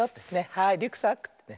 はいリュックサックってね。